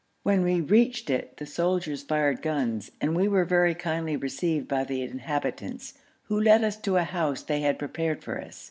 When we reached it the soldiers fired guns, and we were very kindly received by the inhabitants, who led us to a house they had prepared for us.